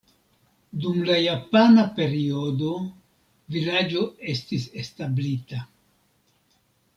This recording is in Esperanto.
Dum la japana periodo vilaĝo estis establita.